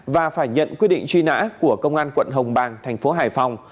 và phải nhận quyết định truy nã của công an quận hồng bàng thành phố hải phòng